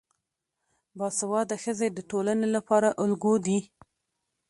باسواده ښځې د ټولنې لپاره الګو دي.